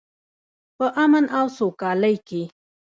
په امن او سوکالۍ کې.